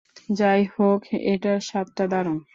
যাই হোক, এটার স্বাদটা দারুণ।